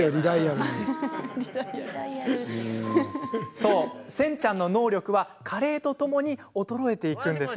そう、センちゃんの能力は加齢とともに衰えていくんです。